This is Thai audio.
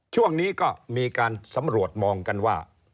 ช่วงนี้ก็มีการสำรวจมองกันว่า